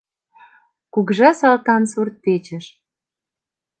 Кугыжа Салтан сурт-печыш.